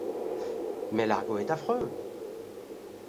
Mais l'argot est affreux!